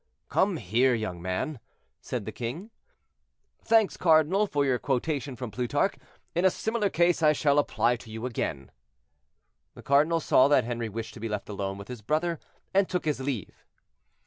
"Come here, young man," said the king. "Thanks, cardinal, for your quotation from Plutarch; in a similar case I shall apply to you again." The cardinal saw that Henri wished to be left alone with his brother, and took his leave.